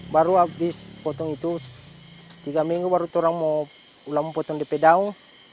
baru habis potong itu tiga minggu baru turang mau potong dp daun